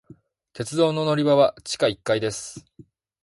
鉄道の乗り場は地下一階です。